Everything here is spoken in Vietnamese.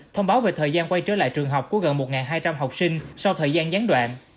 thông báo về thời gian quay trở lại trường học của gần một hai trăm linh học sinh sau thời gian gián đoạn